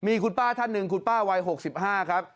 มีคุณป้าท่านหนึ่งคุณป้าวัย๖๕ครับ